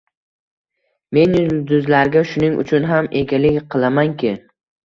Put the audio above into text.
Men yulduzlarga shuning uchun ham egalik qilamanki